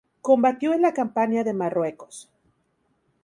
Combatió en la campaña de Marruecos.